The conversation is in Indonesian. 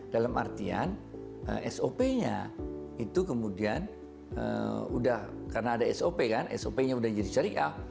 dalam artian sop nya itu kemudian udah karena ada sop kan sop nya udah jadi syariah